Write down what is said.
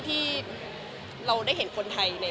ที่เราได้เห็นคนไทย